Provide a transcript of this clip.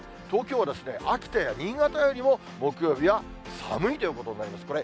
東京は秋田や新潟よりも、木曜日は寒いということになります。